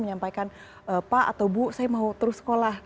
menyampaikan pak atau bu saya mau terus sekolah